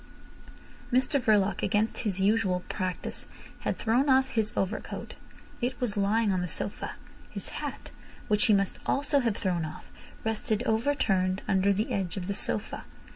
Mr Verloc, against his usual practice, had thrown off his overcoat. It was lying on the sofa. His hat, which he must also have thrown off, rested overturned under the edge of the sofa.